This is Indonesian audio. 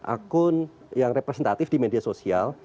akun yang representatif di media sosial